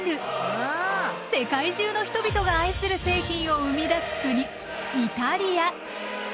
世界中の人々が愛する製品を生み出す国イタリア。